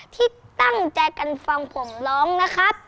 ที่ตั้งใจกันฟังผมร้องนะครับ